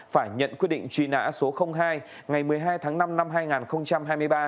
phải nhận quyết định truy nã số hai ngày một mươi hai tháng năm năm hai nghìn hai mươi ba